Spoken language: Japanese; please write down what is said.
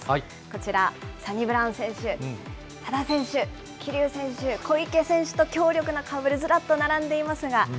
こちら、サニブラウン選手、多田選手、桐生選手、小池選手と強力な顔ぶれ、ずらっと並んでいますが。